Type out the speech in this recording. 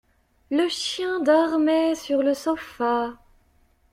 Le chien dormait sur le sofa.